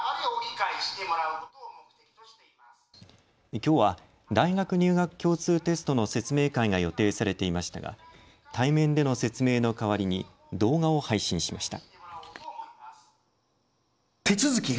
きょうは大学入学共通テストの説明会が予定されていましたが対面での説明の代わりに動画を配信しました。